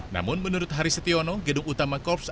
namun menurut haris setiono gedung utama korps